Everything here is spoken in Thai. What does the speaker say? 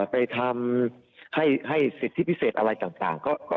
ไปทำให้สิทธิพิเศษอะไรต่าง